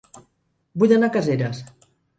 Vull anar a Caseres